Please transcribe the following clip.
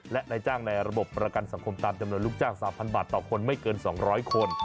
และนายจ้างในระบบประกันสังคมตามจำนวนลูกจ้าง๓๐๐บาทต่อคนไม่เกิน๒๐๐คน